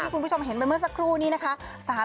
คุณผู้ชมเห็นไปเมื่อสักครู่นี้นะคะ